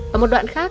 ở một đoạn khác